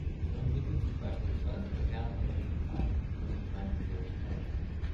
So entwickelt sich beispielsweise der Fernunterricht im Vereinigten Königreich sehr schnell.